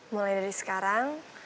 mulai dari sekarang